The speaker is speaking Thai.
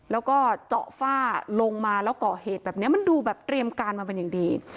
แล้วก็เจาะฝ้าลงมาแล้วก่อเหตุแบบนี้มันดูแบบเตรียมการมาเป็นอย่างดี